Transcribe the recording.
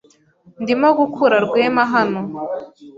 Ndimo gukura Rwema hano.